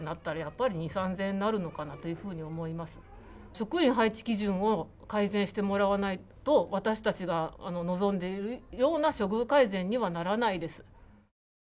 職員配置基準を改善してもらわないと、私達が望んでいるような処遇改善にはならないです。